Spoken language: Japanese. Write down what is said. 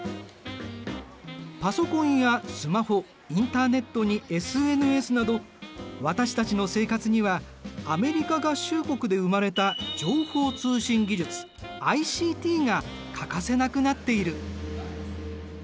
パソコンやスマホインターネットにＳＮＳなど私たちの生活にはアメリカ合衆国で生まれた情報通信技術ＩＣＴが欠かせなくなっている。